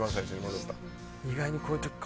意外にこういう時。